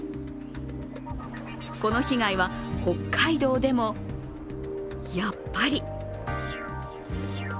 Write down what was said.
この被害は、北海道でもやっぱり。